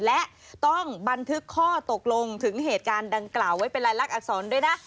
และต้องบันทึกข้อตกลงถึงเหตุการณ์ดังกล่าวไว้เป็นรายลักษณอักษรด้วยนะ